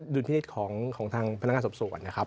ดุลพินิษฐ์ของทางพนักงานสอบสวนนะครับ